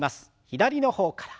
左の方から。